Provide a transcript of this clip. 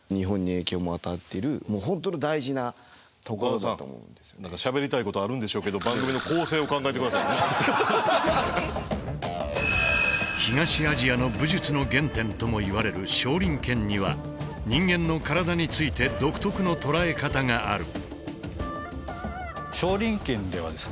岡田さん何かしゃべりたいことあるんでしょうけど東アジアの武術の原点ともいわれる少林拳には人間の体について独特の捉え方がある。